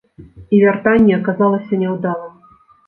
І вяртанне аказалася няўдалым.